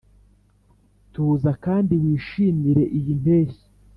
tuza kandi wishimire iyi mpeshyi.